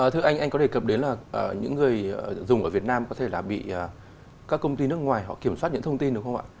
thưa anh anh có đề cập đến là những người dùng ở việt nam có thể là bị các công ty nước ngoài họ kiểm soát những thông tin đúng không ạ